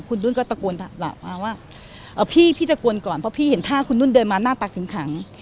คุณนุ่นก็ตะโกนว่าพี่พี่จะกวนก่อนเพราะพี่เห็นท่าคุณนุ่นเดินมาหน้าตาถึงขัง